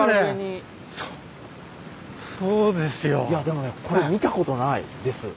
いやでもねこれ見たことないです。